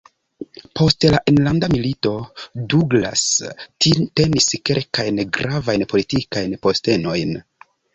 Post la Enlanda Milito, Douglass tenis kelkajn gravajn politikajn postenojn.